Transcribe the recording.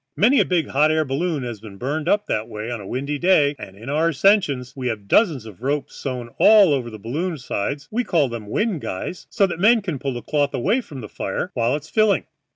Many a big hot air balloon has been burned up that way on a windy day, and in our ascensions we have dozens of ropes sewn all over the balloon sides; we call them wind guys, so that men can pull the cloth away from the fire while it's filling.